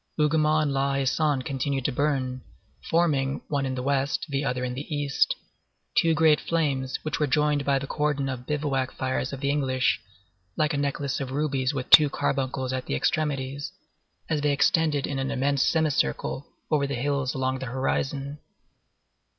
Hougomont and La Haie Sainte continued to burn, forming, one in the west, the other in the east, two great flames which were joined by the cordon of bivouac fires of the English, like a necklace of rubies with two carbuncles at the extremities, as they extended in an immense semicircle over the hills along the horizon.